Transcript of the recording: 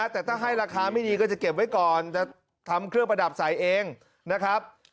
แต่ถ้าให้ราคาไม่ดีก็จะเก็บไว้ก่อนจะทำเครื่องประดับใส่เองนะครับ